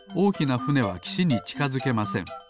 ふねはきしにちかづけません。